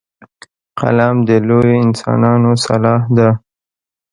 قلم د لویو انسانانو سلاح ده